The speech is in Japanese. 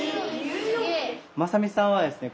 正己さんはですね